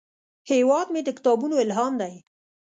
هیواد مې د کتابونو الهام دی